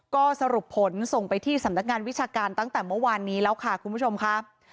ก็สรุปผลส่งไปที่สำนักงานวิชาการตั้งแต่เมื่อวานนี้แล้วค่ะคุณผู้ชมค่ะ